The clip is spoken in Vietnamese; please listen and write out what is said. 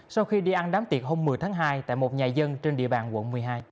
sau khi đi ăn đám tiệc hôm một mươi tháng hai tại một nhà dân trên địa bàn quận một mươi hai